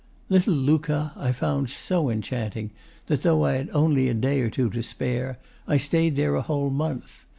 Little Lucca I found so enchanting that, though I had only a day or two to spare, I stayed there a whole month.